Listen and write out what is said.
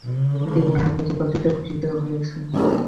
তিনি হাফেজ'' উপাধিতেও ভূষিত হয়েছেন।